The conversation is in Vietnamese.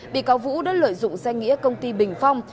bị cáo vũ đã lợi dụng danh nghĩa công ty bình phong